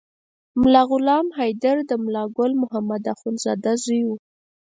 ملا غلام حیدر د ملا ګل محمد اخند زوی و.